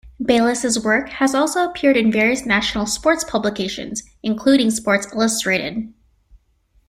Bayless's work has also appeared in various national sports publications, including "Sports Illustrated".